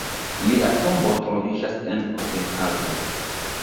Lia tombo troviĝas en Kopenhago.